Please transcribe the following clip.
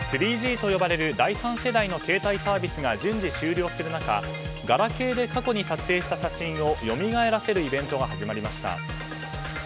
３Ｇと呼ばれる第３世代の携帯サービスが順次、終了する中ガラケーで過去に撮影した写真をよみがえらせるイベントが始まりました。